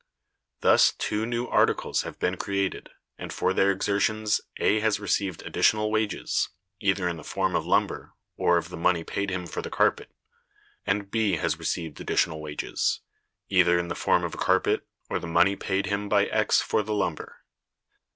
Thus two new articles have been created, and for their exertions A has received additional wages (either in the form of lumber, or of the money paid him for the carpet), and B has received additional wages (either in the form of a carpet, or the money paid him by X for the lumber).